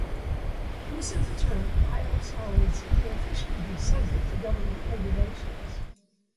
Use of the term "biosolids" may officially be subject to government regulations.